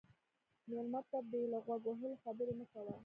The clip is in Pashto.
مېلمه ته بې له غوږ وهلو خبرې مه کوه.